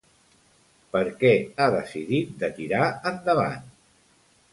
Per què ha decidit de tirar endavant?